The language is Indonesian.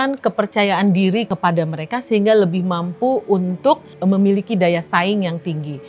memberikan kepercayaan diri kepada mereka sehingga lebih mampu untuk memiliki daya saing yang tinggi